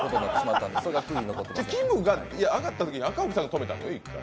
きむが上がったときに、赤荻さんが止めたのよ。